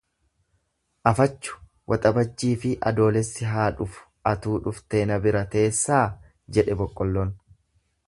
Afachu Waxabajjiifi Adoolessi haa dhufu atuu dhuftee na bira teessaa jedhe boqqolloon.